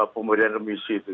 pemberian remisi itu